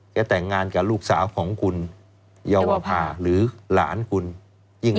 แต่งงานกับลูกสาวของคุณเยาวภาหรือหลานคุณยิ่ง